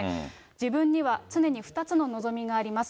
自分には常に２つの望みがあります。